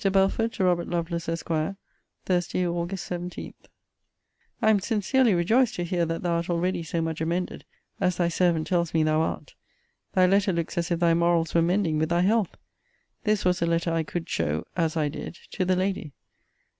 BELFORD, TO ROBERT LOVELACE, ESQ. THURSDAY, AUG. 17. I am sincerely rejoiced to hear that thou art already so much amended, as thy servant tells me thou art. Thy letter looks as if thy morals were mending with thy health. This was a letter I could show, as I did, to the lady.